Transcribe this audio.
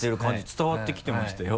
伝わって来てましたよ。